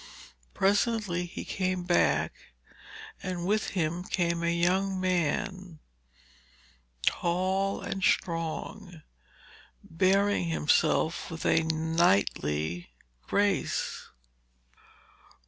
Presently he came back, and with him came a young man, tall and strong, bearing himself with a knightly grace.